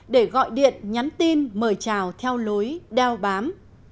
để gọi điện nhắn tin mời chào theo lối đeo bám